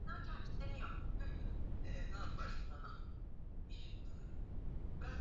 Kesho nitaenda kusoma